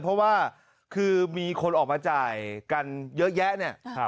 เพราะว่าคือมีคนออกมาจ่ายกันเยอะแยะเนี่ย